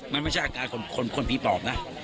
มันไม่ใช่อาการของคนผีปอบนะ